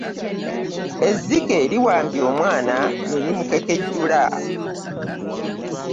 Ezzike liwambye omwana ne limukekejjula.